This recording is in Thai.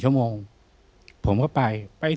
พี่น้องรู้ไหมว่าพ่อจะตายแล้วนะ